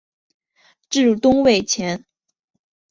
至东魏前属魏郡。